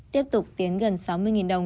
tiếp tục tiến gần sáu mươi đồng